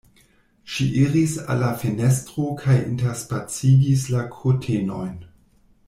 Ŝi iris al la fenestro kaj interspacigis la kurtenojn.